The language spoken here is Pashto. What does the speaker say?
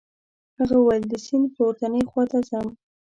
هغه وویل د سیند پورتنۍ خواته ځم.